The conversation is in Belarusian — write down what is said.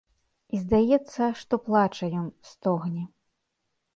І здаецца, што плача ён, стогне.